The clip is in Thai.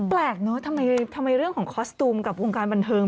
แปลกเนอะทำไมเรื่องของคอสตูมกับวงการบันเทิง